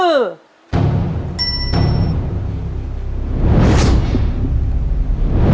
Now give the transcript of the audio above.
เพราะว่าคำถามสำหรับเรื่องนี้คือ